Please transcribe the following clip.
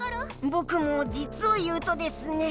僕もじつを言うとですね。